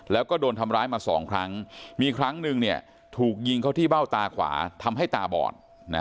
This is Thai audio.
แล้วก็โดนทำร้ายมา๒ครั้งมีครั้งหนึ่งถูกยิงเข้าที่เบ้าตาขวาทำให้ตาบอด